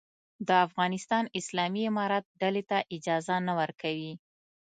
د افغانستان اسلامي امارت ډلې ته اجازه نه ورکوي.